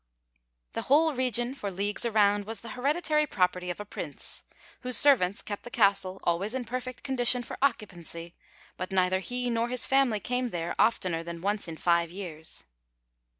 The whole region for leagues around was the hereditary property of a prince, whose servants kept the castle always in perfect condition for occupancy, but neither he nor his family came there oftener than once in five years.